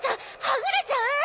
はぐれちゃう！